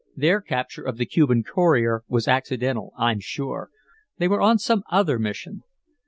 Their capture of the Cuban courier was accidental, I'm sure. They were on some other mission."